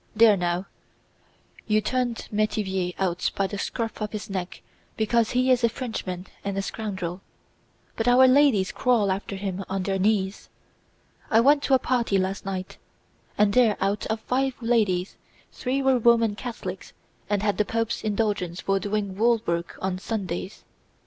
There now, you turned Métivier out by the scruff of his neck because he is a Frenchman and a scoundrel, but our ladies crawl after him on their knees. I went to a party last night, and there out of five ladies three were Roman Catholics and had the Pope's indulgence for doing woolwork on Sundays.